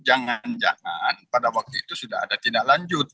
jangan jangan pada waktu itu sudah ada tindak lanjut